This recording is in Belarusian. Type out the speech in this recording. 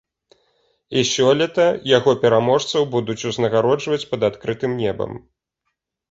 І сёлета яго пераможцаў будуць узнагароджваць пад адкрытым небам.